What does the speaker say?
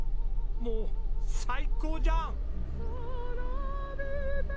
もう最高じゃん！